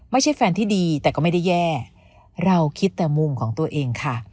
ไม่ใช่แฟนที่ดีแต่ก็ไม่ได้แย่เราคิดแต่มุมของตัวเองค่ะ